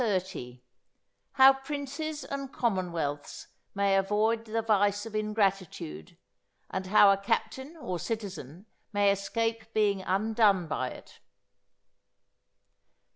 —_How Princes and Commonwealths may avoid the vice of Ingratitude; and how a Captain or Citizen may escape being undone by it.